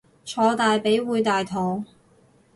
坐大髀會大肚